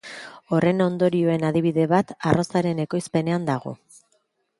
Horren ondorioen adibide bat arrozaren ekoizpenean dago.